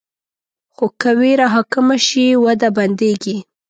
خو که ویره حاکمه شي، وده بندېږي.